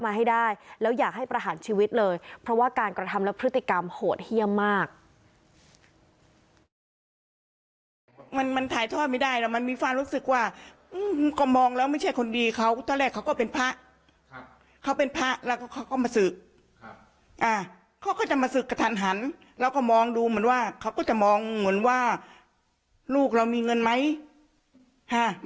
ไม่เชื่อแม่อ่าก็เลยน้อยใจก็เลยกลับไปอยู่บ้านเกิดจังหวัดตราด